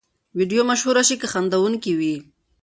ویډیو مشهورې شي که خندوونکې وي.